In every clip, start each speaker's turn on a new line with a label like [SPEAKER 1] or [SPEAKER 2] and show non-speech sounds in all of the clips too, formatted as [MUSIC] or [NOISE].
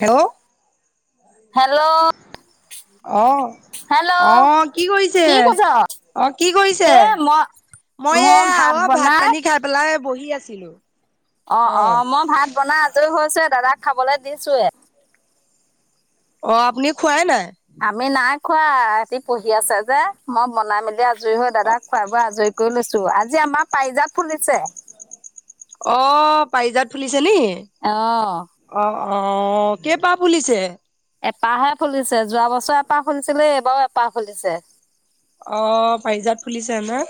[SPEAKER 1] Hello
[SPEAKER 2] hello
[SPEAKER 1] আহ
[SPEAKER 2] hello
[SPEAKER 1] আহ কি কৰিছে? অ' কি কৰিছে?
[SPEAKER 2] এ মই
[SPEAKER 1] মই এইয়া আমাৰ ভাত পানী খাই পেলাই বহি আছিলোঁ।
[SPEAKER 2] অ' অ' মই ভাত বনাই আজৰি হৈছোঁহে, দাদাক খাবলৈ দিছোয়ে।
[SPEAKER 1] অ' আপুনি খোৱাই নাই?
[SPEAKER 2] আমি নাই খোৱা। সিহঁতে পঢ়ি আছে যে মই বনাই মেলি আজৰি হৈ দাদাক খোৱাই বোৱাই আজৰি কৰি লৈছোঁ। আজি আমাৰ পাৰিজাত ফুলিছে।
[SPEAKER 1] অ' পাৰিজাত ফুলিছে নি।
[SPEAKER 2] অহ'
[SPEAKER 1] অ' অ' কে পাহ ফুলিছে?
[SPEAKER 2] এপাহে ফুলিছে, যোৱা বছৰ এপাহ ফুলিছিলে, এইবাৰো এপাহ ফুলিছে।
[SPEAKER 1] অ' পাৰিজাত ফুলিছে ন?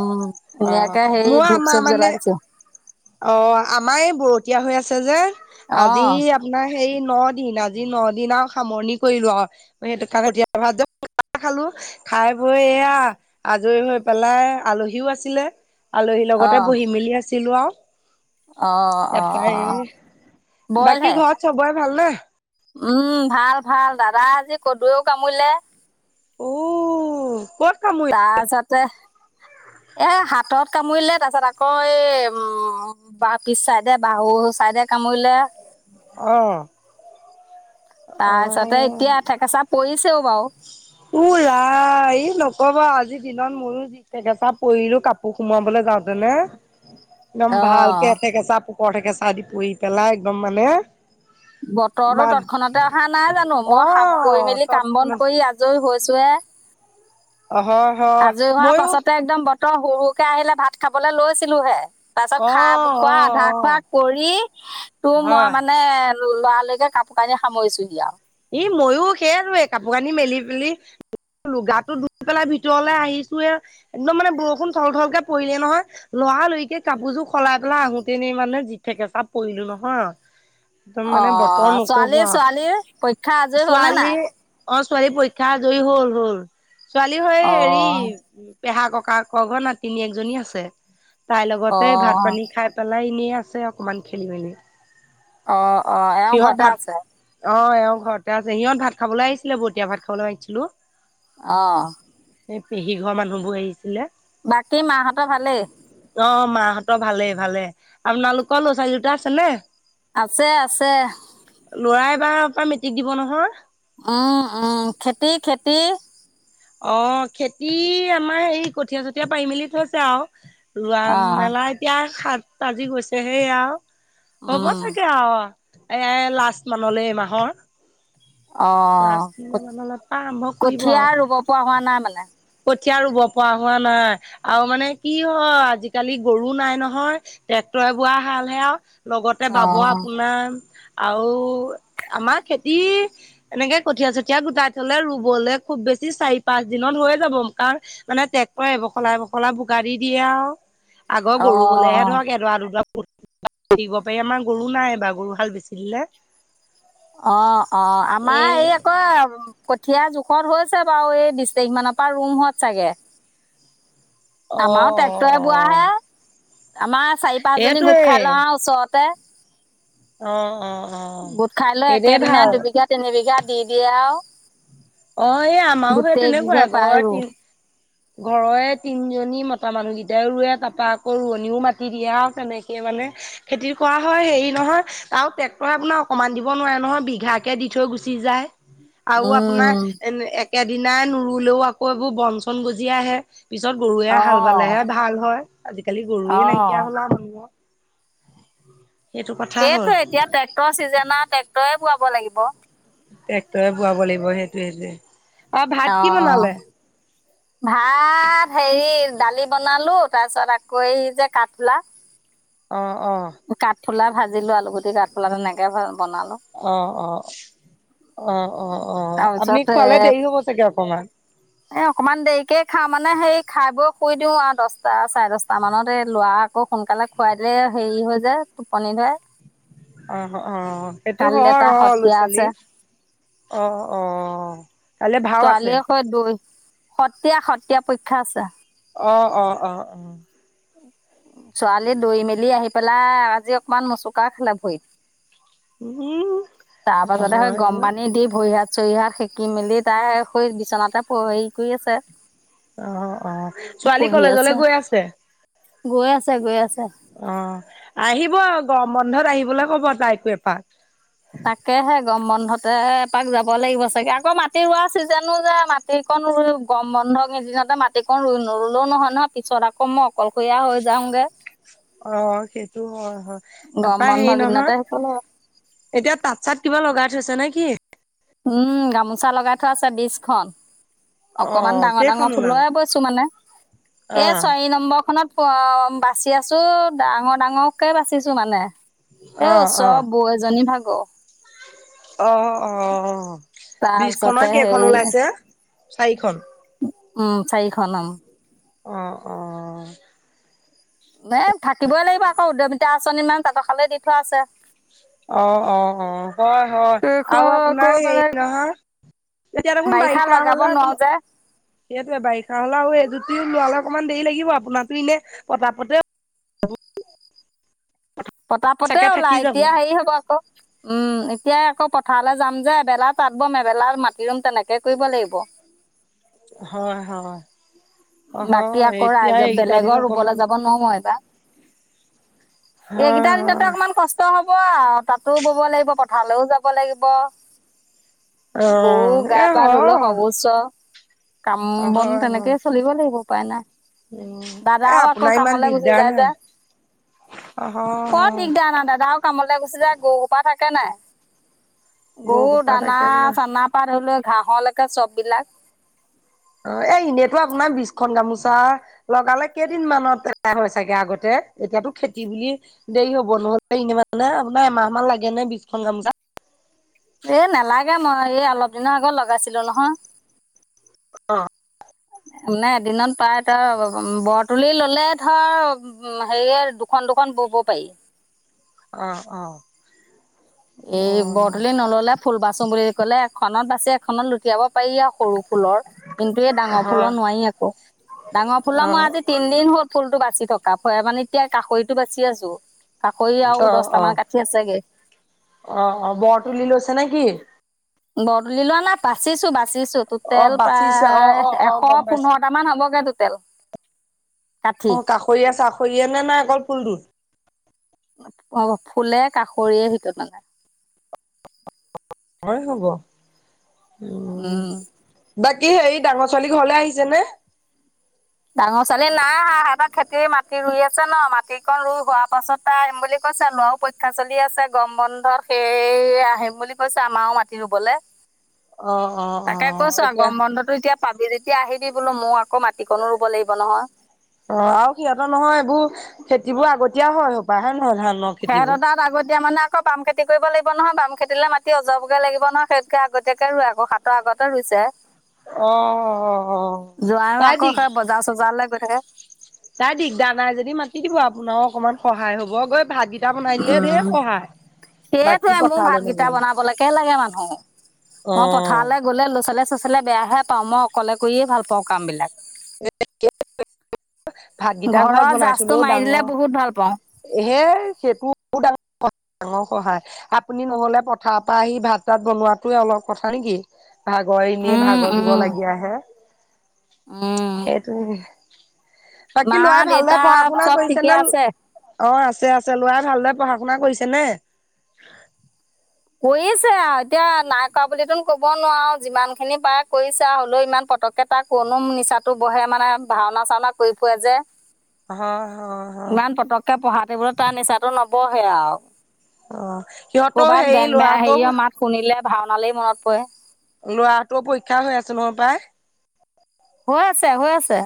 [SPEAKER 2] উম ধুনীয়াকে
[SPEAKER 1] অ'
[SPEAKER 2] হেৰি
[SPEAKER 1] মোৰ
[SPEAKER 2] ধূপ
[SPEAKER 1] আমাৰ
[SPEAKER 2] চুপ
[SPEAKER 1] মানে
[SPEAKER 2] জ্বলাই দিছো
[SPEAKER 1] অ' আমাৰ এই বৰতীয়া হৈ আছে যে
[SPEAKER 2] অ
[SPEAKER 1] আজি আপোনাৰ সেই ন দিন আজি ন দিন আৰু সামৰণি কৰিলোঁ আৰু সেইটো [UNINTELLIGIBLE] দিয়া ভাত যে চাহ খালোঁ, খাই বৈ এইয়া আজৰি হৈ পেলাই আলহীও আছিলে। আলহীৰ
[SPEAKER 2] অ
[SPEAKER 1] লগতে বহি মেলি আছিলোঁ আহ।
[SPEAKER 2] অ অ অ
[SPEAKER 1] তাৰপা এ
[SPEAKER 2] বইল হে
[SPEAKER 1] বাকী ঘৰত চবৰে ভাল নে?
[SPEAKER 2] উম, ভাল ভাল দাদা আজি কদুৱেও কামুৰিলে।
[SPEAKER 1] ঊ, ক'ত কামুৰি
[SPEAKER 2] তাৰ পিছতে এই হাতত কামুৰিলে, তাৰ পিছত আকৌ এই উম। বা পিছ চাইদে বাহু চাইদে কামুৰিলে
[SPEAKER 1] অহ'
[SPEAKER 2] তাৰপিছতে, এতিয়া এঠেকেচা পৰিছেও বাৰু।
[SPEAKER 1] উ, আই এই ন'কবা আৰু আজি দিনত মোৰো ঠেকেচা পৰিলোঁ, কাপোৰ সোমোৱাবলৈ যাওঁতেনে।
[SPEAKER 2] [INAUDIBLE]
[SPEAKER 1] একদম ভালকে এঠেকেচা পোক ঠেকেচা দি পৰি পেলাই একদম মানে
[SPEAKER 2] বতৰতো
[SPEAKER 1] মাত
[SPEAKER 2] তৎক্ষণাতে অহা নাই জানোঁ।
[SPEAKER 1] অ
[SPEAKER 2] মই খাপ কৰি মেলি কাম বন
[SPEAKER 1] তৎক্ষণাত
[SPEAKER 2] কৰি আজৰি হৈছোঁহে।
[SPEAKER 1] অ' হয়। হয়
[SPEAKER 2] আজৰি হোৱাৰ
[SPEAKER 1] মইয়ো
[SPEAKER 2] পাছতে একদম বতৰ হুৰ-হুৰকে আহিলে ভাত খাবলে লৈছিলোহে। তাৰপিছত
[SPEAKER 1] অ
[SPEAKER 2] খা খোৱা
[SPEAKER 1] অ
[SPEAKER 2] আধা খোৱা
[SPEAKER 1] অ
[SPEAKER 2] কৰি। তোৰ মই
[SPEAKER 1] হয়
[SPEAKER 2] মানে লৰা-লৰিকে কাপোৰ-কানি সামৰিছোহি আও।
[SPEAKER 1] ই মইও সেইটোৱে, কাপোৰ-কানি মেলি পেলি লু গাতো ধুই পেলাই ভিতৰলে আহিছোহে একদম মানে বৰষুণ থল-থলকে পৰিলে নহয়। লৰা-লৰিকে কাপোৰযোৰ সলাই পেলাই আহোতেনে মানে যি [UNINTELLIGIBLE] পৰিলো নহয়। একদম মানে বতৰ নকব আও।
[SPEAKER 2] এ পৰীক্ষা আজৰি হ'ল নে
[SPEAKER 1] ছোৱালী
[SPEAKER 2] নাই
[SPEAKER 1] অ' ছোৱালী পৰীক্ষা আজৰি হ'ল হল। ছোৱালী হৈ হেৰি
[SPEAKER 2] অ
[SPEAKER 1] পেহা ককাক ঘৰ নাতিনীয়েক জনী আছে। তাই
[SPEAKER 2] অ
[SPEAKER 1] লগতে ভাত-পানী খাই পেলাই এনেই আছে অকমান খেলি মেলি।
[SPEAKER 2] অ' অ' এওঁ
[SPEAKER 1] সিহঁত
[SPEAKER 2] ঘৰতে
[SPEAKER 1] ভাত
[SPEAKER 2] আছে?
[SPEAKER 1] অ' এওঁ ঘৰতে আছে সিহঁত ভাত খাবলৈ আহিছিলে, বতিয়া ভাত খাবলে মাতিছিলো।
[SPEAKER 2] অ'।
[SPEAKER 1] সেই পেহী ঘৰৰ মানুহবোৰ আহিছিলে।
[SPEAKER 2] বাকী মাহঁতৰ ভালেই?
[SPEAKER 1] অ' মাহঁতৰ ভালেই ভালেই। আপোনালোকৰ ল'ৰা-ছোৱালী দুটা আছে নে?
[SPEAKER 2] আছে আছে।
[SPEAKER 1] লৰাই এবাৰ হপাই মেট্ৰিক দিব নহয়?
[SPEAKER 2] অঁ অঁ, খেতি খেতি।
[SPEAKER 1] অ' খেতি আমাৰ হেৰি কঠীয়া-চঠীয়া পাৰি মেলি থৈছে আৰু। ৰোৱা
[SPEAKER 2] অ
[SPEAKER 1] মেলা এতিয়া সাত আজি গৈছেহেই আও হ'ব
[SPEAKER 2] উম
[SPEAKER 1] চাগে আও। এ লাষ্ট মানলে এই মাহৰ। লাষ্ট
[SPEAKER 2] অ'
[SPEAKER 1] মানলৈ পৰা আৰম্ভ কৰিব
[SPEAKER 2] কঠীয়া
[SPEAKER 1] আৰু
[SPEAKER 2] ৰুব পৰা হোৱা নাই মানে?
[SPEAKER 1] কঠীয়া ৰুব পৰা হোৱা নাই, আৰু মানে কি হয় আজিকালি গৰু নাই নহয়। ট্ৰেক্টৰে বোৱা হাল হে আও, লগতে
[SPEAKER 2] অ
[SPEAKER 1] বাব আপোনাৰ আও আমাৰ খেতি এনেকে কঠীয়া-চঠীয়া গোটাই থলে ৰুবলে খুব বেছি চাৰি পাঁচ দিনত হৈ যাব, কাৰণ মানে ট্ৰেক্টৰে এবখলা এবখলা বোকা দি দিয়ে আও। আগৰ
[SPEAKER 2] অ
[SPEAKER 1] গৰু বোলেহে ধৰক এডৰা-দুড [UNINTELLIGIBLE] আমাৰ গৰু নাই এইবাৰ গৰু হাল বেছি দিলে।
[SPEAKER 2] অ' অ'
[SPEAKER 1] এ
[SPEAKER 2] আমাৰ এই আকৌ ক কঠীয়া জোখত হৈছে বাও, এই বিশ তাৰিখ মানৰ পৰা ৰুমহত চাগে।
[SPEAKER 1] অ
[SPEAKER 2] আমাৰো ট্ৰেক্টৰে
[SPEAKER 1] অ অ
[SPEAKER 2] বোৱা হে আমাৰো চাৰি-পাঁচজনী গোট
[SPEAKER 1] সেইটোৱে
[SPEAKER 2] খাই লওঁ আও ওচৰতে।
[SPEAKER 1] অ অ অ
[SPEAKER 2] গোট খাই লৈ
[SPEAKER 1] সেইটোৱে
[SPEAKER 2] একেদিনাই
[SPEAKER 1] ভাল
[SPEAKER 2] দুবিঘা-তিনি বিঘা দি দিয়ে আও।
[SPEAKER 1] অ' এই আমাৰো হয়
[SPEAKER 2] কেইঘৰে
[SPEAKER 1] তেনেকুৱাই
[SPEAKER 2] পায়ৰো
[SPEAKER 1] ঘৰত ঘৰৰে তিনিজনী মতা মানুহকেইটাই ৰুৱে, তাৰপা আকৌ ৰোৱনীও মাতি দিয়ে আৰু তেনেকে মানে। খেতি কৰা হয়, হেৰি নহয়। আৰু ট্ৰেক্টৰে আপোনাৰ অকমান দিব নোৱাৰে নহয়, বিঘাকে দি থৈ গুচি যায়। আৰু আপোনাৰ
[SPEAKER 2] উম
[SPEAKER 1] এ একেদিনাই নোৰুলেও আকৌ এইবোৰ বন-চন গজি আহে। পিছত
[SPEAKER 2] অ
[SPEAKER 1] গৰুৱে হাল বালেহে ভাল হয়, আজিকালি
[SPEAKER 2] অ
[SPEAKER 1] গৰুৱে নাইকিয়া হল আও।
[SPEAKER 2] সেইটোয়ে এতিয়া ট্ৰেক্টৰ চিজন আও ট্ৰেক্টৰে বোৱাব লাগিব।
[SPEAKER 1] ট্ৰেক্টৰে বোৱাব লাগিব, সেইটোৱে সেইটোৱে। অ ভাত কি
[SPEAKER 2] অ'
[SPEAKER 1] বনালে
[SPEAKER 2] ভা তাত হেৰি দালি বনালো, তাৰ পিছত আকৌ এই যে কাঠফুলা।
[SPEAKER 1] অঁ অঁ।
[SPEAKER 2] কাঠফুলা ভাজিলো, আলুগুটি কাঠফুলা তেনেকে বনালো।
[SPEAKER 1] অঁ অঁ অঁ আপুনি
[SPEAKER 2] তাৰপিছত
[SPEAKER 1] খোৱালে
[SPEAKER 2] এ
[SPEAKER 1] দেৰি হ'ব চাগে অকমান।
[SPEAKER 2] এ অকনমান দেৰিকে খাওঁ মানে সেই খাই বৈ শুই দিও আও, দছটা চাৰে দছটা মানত এই লৰা আকৌ সোনকালে খুৱাই দিলে হেৰি হৈ যায় টোপনি ধৰে।
[SPEAKER 1] অহ অহ অঁ এইটো
[SPEAKER 2] কালিলৈ
[SPEAKER 1] হয়
[SPEAKER 2] তাৰ
[SPEAKER 1] অ' ল'ৰা
[SPEAKER 2] সত্ৰীয়া
[SPEAKER 1] ছোৱালী
[SPEAKER 2] আছে
[SPEAKER 1] অঁ অঁ কাইলে ভাও আছে।
[SPEAKER 2] হৈ দূৱৈত সত্ৰীয়া সত্ৰীয়া পৰীক্ষা আছে।
[SPEAKER 1] অঁ অঁ অঁ অঁ
[SPEAKER 2] ছোৱালী দৈই মেলি আহি পেলাই, আজি অকমান মচুকা খালে ভৰিত।
[SPEAKER 1] উম।
[SPEAKER 2] তাৰ পাছতে হে
[SPEAKER 1] হয়
[SPEAKER 2] গৰম পানী দি ভৰি হাত চৰি হাত শেকি মেলি তাই আকৌ সেই বিচনাতে প হেৰি কৰি আছে।
[SPEAKER 1] অ' অ' অ'। ছোৱালী কলেজলে গৈ আছে?
[SPEAKER 2] গৈ আছে গৈ আছে।
[SPEAKER 1] অঁ আহিব আও গৰম বন্ধত আহিবলৈ ক'ব তাইকো এপাক।
[SPEAKER 2] তাকেহে গৰম বন্ধতে এপাক যাব লাগিব চাগে, আকৌ মাটি ৰোৱা ছিজনো যে মা সেই কন ৰুই গৰম বন্ধত, কেইদিনতে মাটিকণ ৰুই নললো নহয় নহয়, পিছত আকৌ মোক অশয়ইয়া হৈ যাওঁগে।
[SPEAKER 1] অঁ সেইটো হয় হয়।
[SPEAKER 2] গৰম
[SPEAKER 1] তাৰপা
[SPEAKER 2] বন্ধ
[SPEAKER 1] হেৰি
[SPEAKER 2] কেইদিনতে
[SPEAKER 1] নহয়
[SPEAKER 2] সেইফালে
[SPEAKER 1] এতিয়া তাঁত চাত কিবা লগাই থৈছা নেকি?
[SPEAKER 2] উম গামোচা লগাই থোৱা আছে বিচ খন।
[SPEAKER 1] অ
[SPEAKER 2] অকমান ডাঙৰ ডাঙৰ
[SPEAKER 1] কেইখন ওলালে
[SPEAKER 2] ফুলৰে বৈছো মানে, এই চাৰি নম্বৰ খনত ফু অঁ বাচি আছো, ডাঙৰ ডাঙৰকে বাচিছো মানে। এ
[SPEAKER 1] অ অ
[SPEAKER 2] ওচৰৰ
[SPEAKER 1] অ
[SPEAKER 2] বৌ এজনী ভাগৰ।
[SPEAKER 1] অ' অ' বিশ
[SPEAKER 2] তাৰপিছতে
[SPEAKER 1] খনৰ কেইখন
[SPEAKER 2] হেৰি
[SPEAKER 1] ওলাইছে, চাৰিখন?
[SPEAKER 2] উম, চাৰিখন অঁ।
[SPEAKER 1] অঁ অঁ।
[SPEAKER 2] মেম থাকিবই লাগিব আকৌ উদ্যয়মিতা আঁচনিত মানে তাঁতৰ শালে দি থোৱা আছে।
[SPEAKER 1] অঁ অঁ অঁ হয় হয়
[SPEAKER 2] সেইখন
[SPEAKER 1] আও
[SPEAKER 2] আকৌ
[SPEAKER 1] আপোনাৰ হেৰি
[SPEAKER 2] মানে
[SPEAKER 1] নহয়। এতিয়া দেখোন বাৰিষা
[SPEAKER 2] লগাব
[SPEAKER 1] হ'লে
[SPEAKER 2] নোৱাৰো যে
[SPEAKER 1] সেটোৱে, বাৰিষা হ'লে আৰু এযোতি ওলোৱালে অকণমান দেৰি লাগিব, আপোনাৰ ইপিনে পতা-পতে
[SPEAKER 2] পতাপতে
[SPEAKER 1] চাগে থাকি
[SPEAKER 2] ওলাই,
[SPEAKER 1] যাব
[SPEAKER 2] এতিয়া হেৰি হ'ব আকৌ। উম, এতিয়াই আকৌ পথাৰলে যাম যে, এবেলা তাঁত বম, এবেলা মাটি ৰুম তেনেকে কৰিব লাগিব।
[SPEAKER 1] হয়, হয়, অ' হয়, এতিয়া এই কেইটা দিন অকমান
[SPEAKER 2] নহয় বা, এই
[SPEAKER 1] হয়,
[SPEAKER 2] কেইদিনতে
[SPEAKER 1] হয়।
[SPEAKER 2] অকমান কষ্ট ত হ'ব আও তাঁতো ব'ব লাগিব, পথাৰলৌ যাব লাগিব। গৰু
[SPEAKER 1] অ', এ
[SPEAKER 2] গা-পা ধুই লৈ
[SPEAKER 1] হয়,
[SPEAKER 2] সৰ্বোচ্চ, কাম বন
[SPEAKER 1] হয়,
[SPEAKER 2] তেনেকে
[SPEAKER 1] হয়
[SPEAKER 2] চলিব লাগিব পায় উপায় নাই।
[SPEAKER 1] উম, এ
[SPEAKER 2] দাদাও আকৌ
[SPEAKER 1] আপোনাৰ ইমান
[SPEAKER 2] কামলৈ গুচি
[SPEAKER 1] দিগদাৰ
[SPEAKER 2] যায়
[SPEAKER 1] নাই
[SPEAKER 2] যে।
[SPEAKER 1] অ', হয়,
[SPEAKER 2] ব
[SPEAKER 1] হয়
[SPEAKER 2] দিগদাৰ নাই দাদাও কামলৈ গুচি যায়, গৰুসোপা থাকে নাই? গৰু
[SPEAKER 1] গৰুসোপা তাকে না
[SPEAKER 2] দানা- চানা পা ধৰিলৈও ঘাঁহলৈকে চ'ব বিলাক।
[SPEAKER 1] অ' এনেতো আপোনাৰ বিচ খন গামোছা। লগালে কেইদিন মানত এদায় হয় চাগে আগতে? এতিয়াতো খেতি বুলি দেৰি হ'ব, নহ'লে এনেই মানে আপোনাৰ এমাহ মান লাগে নে, বিচ খন গামোছাত?
[SPEAKER 2] এ, নালাগে মই এই অলপ দিনৰ আগত লগাইছিলো নহয়।
[SPEAKER 1] অ
[SPEAKER 2] নাই, এদিনত প্ৰায় তই বৰ তুলি ললে ধৰক হেৰিয়ে দুখন, দুখন বব পাৰি।
[SPEAKER 1] অ, অ
[SPEAKER 2] এই বৰ তুলি নললে ফুল বাচো বুলি ক'লে এখনত বাছে, এখনত লুটিয়াব পাৰি আৰু সৰু ফুলৰ। কিন্তু এই
[SPEAKER 1] অ
[SPEAKER 2] ডাঙৰ
[SPEAKER 1] হয়
[SPEAKER 2] ফুলৰ নোৱাৰি আকৌ, ডাঙৰ ফুলৰ মই আজি
[SPEAKER 1] অ
[SPEAKER 2] তিনদিন হ'ল ফুলটো বাচি থকা, ভৈয় মানে কি এতিয়া কাষৰিটো বাচি আছো। কাষৰি আৰু
[SPEAKER 1] অ
[SPEAKER 2] দহটা
[SPEAKER 1] অ
[SPEAKER 2] মান কাঠি আছেগে।
[SPEAKER 1] অ অ বৰ তুলি লৈছেনে কি?
[SPEAKER 2] বৰ তুলি লোৱা নাই বাচিছো বাচিছো
[SPEAKER 1] অ
[SPEAKER 2] টুটেল
[SPEAKER 1] বাচিছে অ
[SPEAKER 2] প্ৰায়
[SPEAKER 1] অ অ
[SPEAKER 2] এশ
[SPEAKER 1] গম পাইছো
[SPEAKER 2] পোন্ধৰ টা মান হ'বগে টুটেল।
[SPEAKER 1] অ' কাষৰীয়া চাষৰীয়া নে নাই অকল ফুলটো।
[SPEAKER 2] অ' ফুলে কাষৰিয়ে সেইটোতা নাই।
[SPEAKER 1] হয়, হ'ব উম। বাকী হেৰি ডাঙৰ ছোৱালী ঘৰলৈ আহিছে নে?
[SPEAKER 2] ডাঙৰ ছোৱালী নাই অহা, সিহঁতৰ খেতি মাটি ৰুই আছে ন মাটি কন ৰুই হোৱাৰ পাছত তাই আহিম বুলি কৈছে ল'ৰাও পৰী ক্ষা চলি আছে, গৰম বন্ধত সেইয়ে আহিম বুলি কৈছে আমাৰো মাটি ৰুবলে।
[SPEAKER 1] অ অ অ
[SPEAKER 2] তাকে কৈছো আও
[SPEAKER 1] এতিয়া
[SPEAKER 2] গৰম বন্ধতো এতিয়া পাবি যেতিয়া আহিবি বোলো, মোৰ আকৌ মাটিকনো ৰুব লাগিব নহয়।
[SPEAKER 1] অ' আৰু সিহঁতৰ নহয় এইবোৰ, খেতি বোৰ আগতীয়া হয় সপাই হয়নে নহয় ধানক।
[SPEAKER 2] সিঁহত তাত আগতীয়া মানে আকৌ বাম খেতি কৰিব লাগিব নহয় বাম খেতিলৈ মাটি অজৰাবলৈ লাগিব নহয় সেইকা আগতীয়াকে ৰুৱে আকৌ শাক। ত আগতে ৰুইছে।
[SPEAKER 1] অ অ অ
[SPEAKER 2] জোঁৱাইও
[SPEAKER 1] তাই
[SPEAKER 2] আকৌ
[SPEAKER 1] দিগ
[SPEAKER 2] সেই বজাৰ-চজাৰলৈ গৈ থাকে।
[SPEAKER 1] তাই দিগদাৰ নাই যদি মাতি দিব, আপোনাও অকমান সহায় হব গৈ ভাতকে টা বনাই দিলে
[SPEAKER 2] উম
[SPEAKER 1] ঢেৰ সহায়। বাকী
[SPEAKER 2] সেইটোৱে মোৰ
[SPEAKER 1] পথাৰলৈ
[SPEAKER 2] ভাতকেইটা
[SPEAKER 1] নগলেও
[SPEAKER 2] বনাবলৈকে লাগে মানুহ,
[SPEAKER 1] অ
[SPEAKER 2] মই পথাৰলে গ'লে ল'ৰা‌-ছোৱালীয়ে চৰা ছোৱালীয়ে বেয়াহে পাওঁ, মই অকলে কৰিয়ে ভাল পাওঁ কাম বিলাক।
[SPEAKER 1] ভাত কিটা
[SPEAKER 2] ঘৰৰ
[SPEAKER 1] ঘৰত বনাই
[SPEAKER 2] জাজটো
[SPEAKER 1] থলেও
[SPEAKER 2] মাৰি দিলে বহুত ভাল পাওঁ
[SPEAKER 1] ডাঙৰ হেই সেইটো ডাঙৰ ডাঙৰ সহায়, আপুনি নহ'লে পথাৰ পৰা আহি ভাত-তাত বনোৱা তোৱে অলপ কথা নেকি। ভাগৰ এনে
[SPEAKER 2] উম
[SPEAKER 1] ভাগৰ যোগৰ
[SPEAKER 2] উম
[SPEAKER 1] লাগি আহে।
[SPEAKER 2] উম
[SPEAKER 1] সেইটোৱে। বাকী
[SPEAKER 2] মা
[SPEAKER 1] ল'ৰাই ভালদৰে
[SPEAKER 2] দেউতা
[SPEAKER 1] পঢ়া শুনা
[SPEAKER 2] চব ঠিকে
[SPEAKER 1] কৰিছেনে
[SPEAKER 2] আছে
[SPEAKER 1] অ' আছে আছে, লৰা ভালদৰে পঢ়া শুনা কৰিছেনে?
[SPEAKER 2] কৰিছে আও এতিয়া নাই কৰা বুলিতোন ক'ব নোৱাৰো যিমানখিনি পাৰে কৰিছে আও হলেও ইমান পতককে তাৰ ক'তনো নিচাটো বহে মানে ভাওনা চাওনা কৰি ফুৰে যে।
[SPEAKER 1] হয় হয় হয়
[SPEAKER 2] কে পঢ়াৰ টেবুলত তাৰ নিচাটো নবহে আও।
[SPEAKER 1] অ' সিহঁতো হেৰিত
[SPEAKER 2] হেৰিয় মাত শুনিলে ভাওনালেই মনত পৰে।
[SPEAKER 1] ল'ৰাটোও পৰীক্ষা হৈ আছে নহয় পায়।
[SPEAKER 2] হৈ আছে হৈ আছে।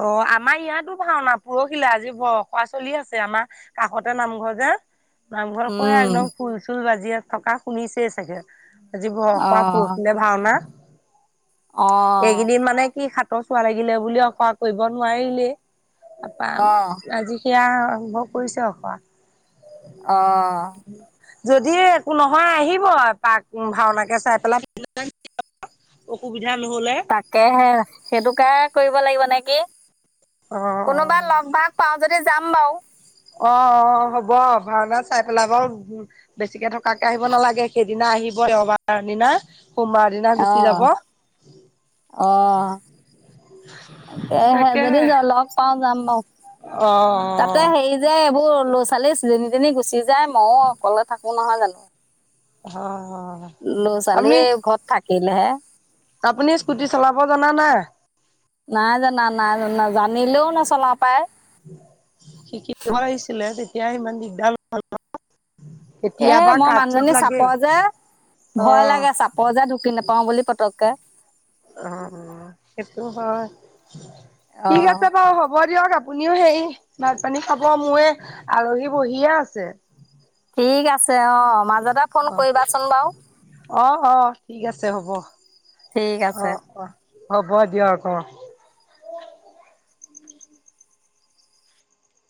[SPEAKER 1] অ' আমাৰ ইয়াতো ভাওনা পৰহিলে আজি ব অখৰা চলি আছে আমাৰ কাষতে নামঘৰ যে, নামঘৰ কৈ একদম খোল চোল বাজি থকা শুনিছেই চাগে। আজি বৰ খৱা
[SPEAKER 2] অঁ
[SPEAKER 1] পৰহিলে ভাওনা,
[SPEAKER 2] অ',
[SPEAKER 1] এইকেইদিন মানে কি হা হাতৰ চোৱা লাগিলে বুলি অখৰা কৰিব নোৱাৰিলেই, তাপা
[SPEAKER 2] অ',
[SPEAKER 1] আজি এতিয় আৰম্ভ কৰিছে অখৰা।
[SPEAKER 2] অঁ।
[SPEAKER 1] যদি একো নহয় আহিব এপাক, ভাওনাকে চাই পেলাই [UNINTELLIGIBLE] অসুবিধা নহ'লে।
[SPEAKER 2] তাকেহে, সেইটো কাই কৰিব লাগিব নেকি?
[SPEAKER 1] অ অ
[SPEAKER 2] কোনোবা লগ ভাগ পাওঁ যদি যাম বাৰু।
[SPEAKER 1] অঁ অঁ' হ'ব ভাওনাৰ চাই পেলাই বাৰু বেছিকে থকাকে আহিব নালাগে, সেই দিনা আহিব দেওবাৰ দিনা, সোমবাৰৰ দিনা গুচি যাব।
[SPEAKER 2] অঁ। তাকেহে যদি য লগ পাওঁ যাম বাৰু,
[SPEAKER 1] অ
[SPEAKER 2] তাতে হেৰি যে এইবোৰ ল'ৰা ছোৱালী যেনি তেনি গুচি যায় মইও অকলে থাকো নহয় জানোঁ।
[SPEAKER 1] হয় হয়।
[SPEAKER 2] ল'ৰা ছোৱালী
[SPEAKER 1] আপুনি
[SPEAKER 2] ঘৰত থাকিলেহে।
[SPEAKER 1] আপুনি স্কুটি চলাব জানা নাই?
[SPEAKER 2] নাই জানা নাই জানা জানিলেও নচলাও পাই।
[SPEAKER 1] শিকিব লাগিছিলে তেতিয়া ইমান দিগদাৰ নহ'ল হয়।
[SPEAKER 2] এ মই মানুহজনী চাপৰ যে
[SPEAKER 1] অ
[SPEAKER 2] ভয় লাগে চাপৰ যে ঢুকি নোপাও বুলি পতককে।
[SPEAKER 1] অঁ অঁ সেইটো হয়, ঠিক
[SPEAKER 2] অ'।
[SPEAKER 1] আছে বাৰু হ'ব দিয়ক আপ আপুনিও হেৰি ভাতপানী খাব মোৰ এই আলহী বহিয়ে আছে।
[SPEAKER 2] ঠিক আছে অঁ মাজতে ফোন কৰিবাচোন বাৰু
[SPEAKER 1] অ' অহ হ ঠিক আছে হ'ব অহ
[SPEAKER 2] ঠিক আছে
[SPEAKER 1] অহ। হ'ব দিয়ক অ'।